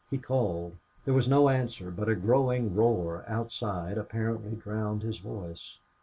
He called. There was no answer, but a growing roar outside apparently drowned his voice.